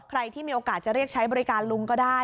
ใครที่มีโอกาสจะเรียกใช้บริการลุงก็ได้